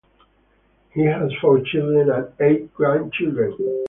He has four children and eight grandchildren.